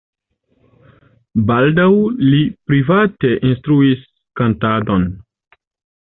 Baldaŭ li private instruis kantadon.